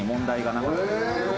よかった。